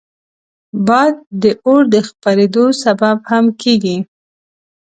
باد د اور د خپرېدو سبب هم کېږي